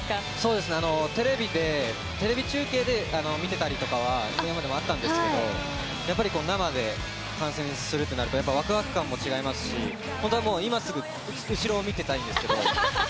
テレビ中継で見ていたりとかは今まではあったんですけれど生で観戦するとなるとわくわく感も違いますし今すぐ後ろを見ていたいんですけど。